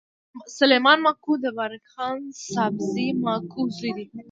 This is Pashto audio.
سلیمان ماکو د بارک خان سابزي ماکو زوی دﺉ.